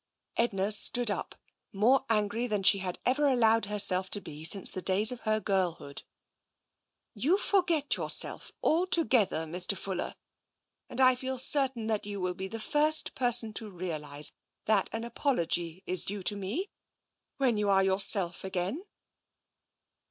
Edna stood up, more angry than she had ever allowed herself to be since the days of her girlhood. " You forget yourself altogether, Mr. Fuller, and I feel certain that you will be the first person to realise that an apology is due to me when you are yourself again."